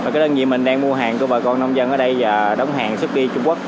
cái đơn vị mình đang mua hàng của bà con nông dân ở đây và đóng hàng xuất đi trung quốc